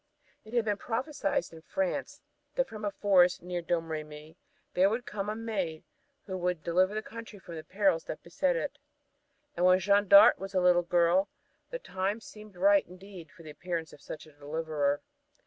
It had been prophesied in France that from a forest near Domremy there would come a maid who would deliver the country from the perils that beset it and when Jeanne d'Arc was a little girl the times seemed ripe indeed for the appearance of such deliverer.